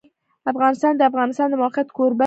افغانستان د د افغانستان د موقعیت کوربه دی.